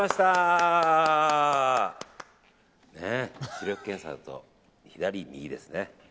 視力検査だと左、右ですね。